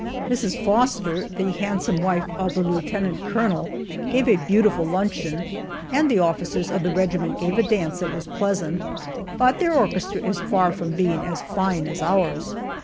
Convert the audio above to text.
Mrs. Foster, the handsome wife of the lieutenant colonel, gave a beautiful luncheon, and the officers of the regiment gave a dance that was pleasant. But their orchestra is far from being as fine as ours.